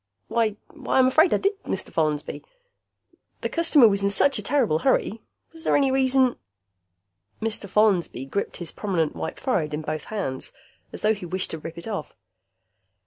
"Why why, I'm afraid I did, Mr. Follansby. The customer was in such a terrible hurry. Was there any reason " Mr. Follansby gripped his prominent white forehead in both hands, as though he wished to rip it off.